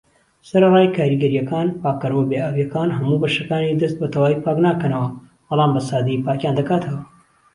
سەرەڕای کاریگەریەکەیان، پاکەرەوە بێ ئاویەکان هەموو بەشەکانی دەست بەتەواوی پاکناکەنەوە بەڵام بەسادەیی پاکیان دەکاتەوە.